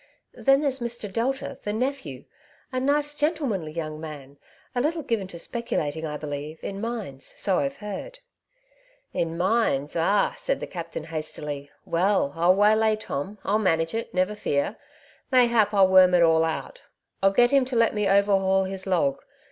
Then there's Mr. Delta, the nephew, a nice gentlemanly young man, a little given to speculating, I believe, in mines — so IVe heard/* '• In mines ? ah !said the captain hastily. *' Well ; I'll waylay Tom ; I'll manage it, never fear. Mayhap, I'll worm it all out ; I'll get him to let me overhaul his log.